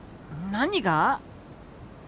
何が？